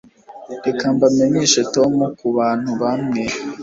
reka mbamenyeshe tom kubantu bamwe